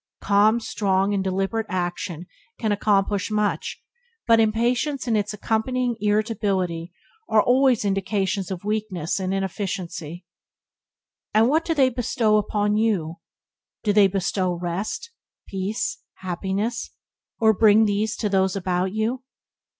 Calm, strong, and deliberate action can accomplish much, but impatience and its accompanying irritability are always indications of weakness and inefficiency. And what do they bestow upon you? Do they bestow rest, peace, happiness, or bring these to those about you?